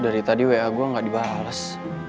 dari tadi wa gue gak dibalas